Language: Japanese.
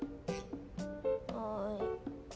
はい。